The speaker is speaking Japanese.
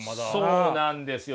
そうなんですよ。